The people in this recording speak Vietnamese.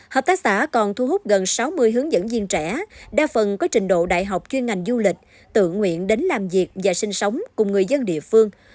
hợp tác xã còn thu hút gần sáu mươi hướng dẫn viên trẻ đa phần có trình độ đại học chuyên ngành du lịch tự nguyện đến làm việc và sinh sống cùng người dân địa phương